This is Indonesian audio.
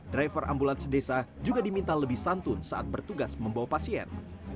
driver ambulans desa juga diminta lebih santun saat bertugas membawa pasien